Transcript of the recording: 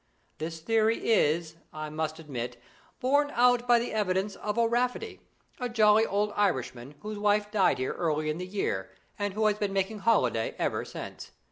This theory is, I must admit, borne out by the evidence of O'Rafferty, a jolly old Irishman, whose wife died here early in the year, and who has been making holiday ever since.